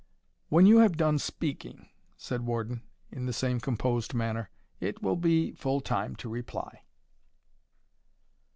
"When you have done speaking," said Warden, in the same composed manner, "it will be full time to reply."